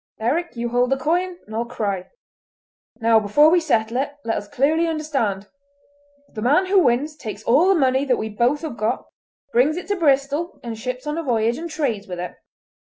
"Eric, you hold the coin, and I'll cry. Now, before we settle it, let us clearly understand: the man who wins takes all the money that we both have got, brings it to Bristol and ships on a voyage and trades with it.